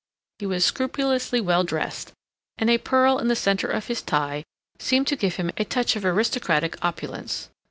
He was scrupulously well dressed, and a pearl in the center of his tie seemed to give him a touch of aristocratic opulence.